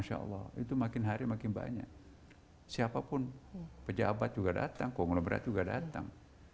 insya allah itu makin hari makin banyak siapapun pejabat juga datang konglomerat juga datang